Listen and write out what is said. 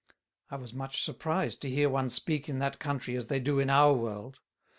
I was much surprised to hear one speak in that Country as they do in our World.